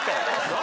何？